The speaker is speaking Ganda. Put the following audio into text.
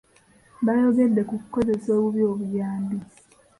Baayogedde ku kukozesa obubi obuyambi.